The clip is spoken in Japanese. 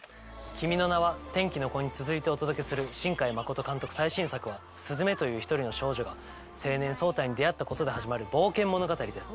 『君の名は。』、『天気の子』に続いてお届けする新海誠監督最新作を鈴芽という１人の少女が青年・草太に出会ったことで始まる冒険物語です。